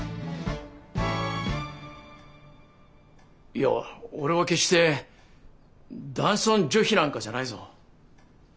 いや俺は決して男尊女卑なんかじゃないぞ。